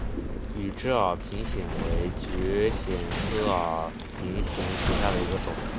羽枝耳平藓为蕨藓科耳平藓属下的一个种。